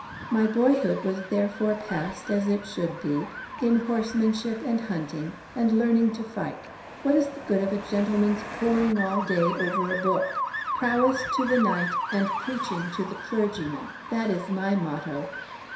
My boyhood was therefore passed, as it should be, in horsemanship and hunting, and learning to fight. What is the good of a gentleman's poring all day over a book? Prowess to the knight, and preaching to the clergyman, that is my motto."